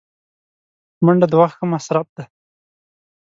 منډه د وخت ښه مصرف دی